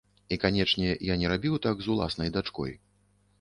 І, канечне, я не рабіў так з уласнай дачкой.